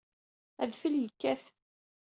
Adfel yekkat.